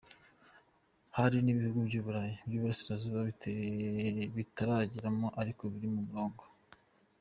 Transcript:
Hari n’ibihugu byo mu Burayi bw’iburasirazuba bitarageramo ariko biri mu murongo.”